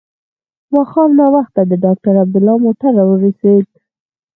ماښام ناوخته د ډاکټر عبدالله موټر راورسېد.